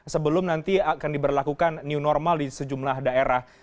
sebelum nanti akan diberlakukan new normal di sejumlah daerah